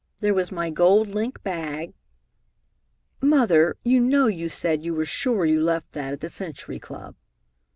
There was my gold link bag " "Mother, you know you said you were sure you left that at the Century Club."